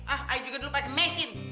ah i juga dulu pakai mecin